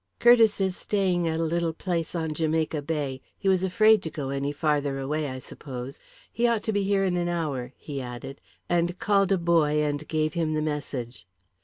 "Curtiss is staying at a little place on Jamaica Bay. He was afraid to go any farther away, I suppose. He ought to be here in an hour," he added, and called a boy and gave him the message.